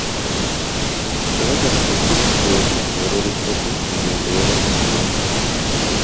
No era tan efectivo ante otros jugadores fuertes como lo era con su maestro.